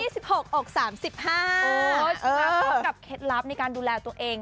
โอ้ยชิคกี้พายพร้อมกับเคล็ดลับในการดูแลตัวเอง